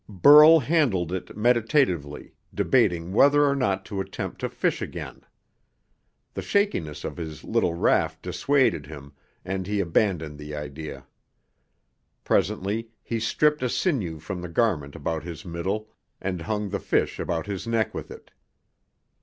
Burl handled it meditatively, debating whether or not to attempt to fish again. The shakiness of his little raft dissuaded him, and he abandoned the idea. Presently he stripped a sinew from the garment about his middle and hung the fish about his neck with it.